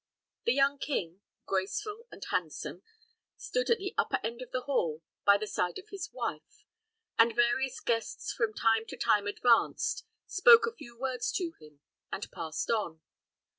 The young king, graceful and handsome, stood at the upper end of the hall, by the side of his wife; and various guests from time to time advanced, spoke a few words to him, and passed on.